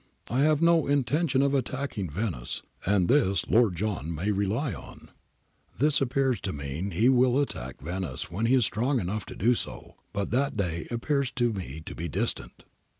I have no intention of attacking Venice, and this Lord John may rely on. This ap pears to mean he will attack Venice when he is strong enough to do so, but that day appears to me to be distant.